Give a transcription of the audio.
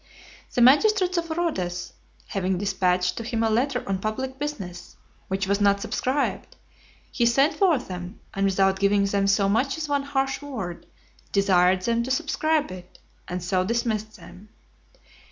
The magistrates of Rhodes, having dispatched to him a letter on public business, which was not subscribed, he sent for them, and without giving them so much as one harsh word, desired them to subscribe it, and so dismissed them.